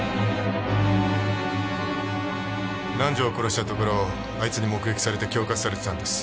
南条を殺したところをあいつに目撃されて恐喝されてたんです。